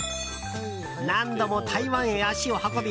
何度も台湾へ足を運び